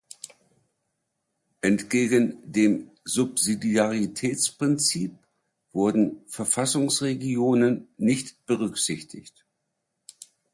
Entgegen dem Subsidiaritätsprinzip wurden Verfassungsregionen nicht berücksichtigt.